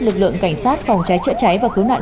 lực lượng cảnh sát phòng cháy chữa cháy và cứu nạn